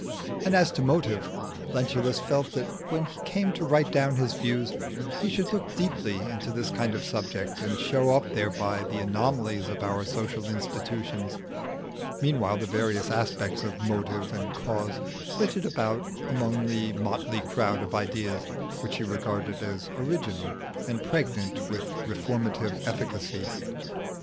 And as to motive, Lentulus felt that when he came to write down his views he should look deeply into this kind of subject and show up thereby the anomalies of our social institutions; meanwhile the various aspects of "motive" and "cause" flitted about among the motley crowd of ideas which he regarded as original, and pregnant with reformative efficacy.